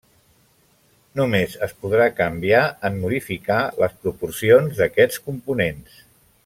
Només es podrà canviar en modificar les proporcions d'aquests components.